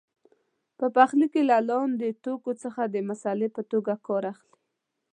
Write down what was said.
په پخلي کې له لاندې توکو څخه د مسالې په توګه کار اخلي.